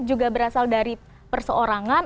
juga berasal dari perseorangan